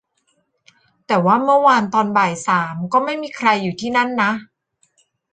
แต่ว่าเมื่อวานตอนบ่ายสามก็ไม่มีใครอยู่ที่นั่นนะ